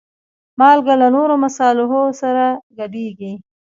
مالګه له نورو مصالحو سره ګډېږي.